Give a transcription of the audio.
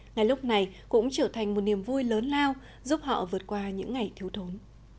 ngày lúc này cũng trở thành một niềm vui lớn lao giúp họ vượt qua những ngày thiếu thốn